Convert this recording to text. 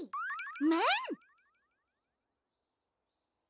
メン！